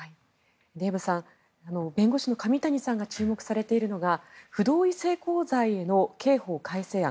デーブさん弁護士の上谷さんが注目されているのが不同意性交罪の刑法改正案。